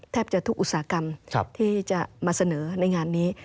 แทบจะทุกอุตสาหกรรมที่จะมาเสนอในงานนี้